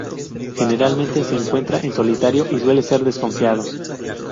Generalmente se encuentra en solitario y suele ser desconfiado.